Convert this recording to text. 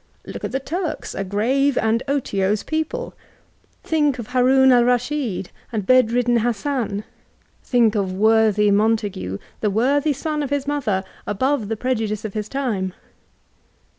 — Look at the Turks, a grave and odose people. — Thmk of Haroon Al Rasdiid and Bed ridden HaiBsan, — ^Thiak (^ Wortky Montague;, the worthy son of his mother, a man above the prejodioe of his time.